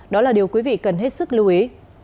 đó là điều quý vị cần hết sức lưu ý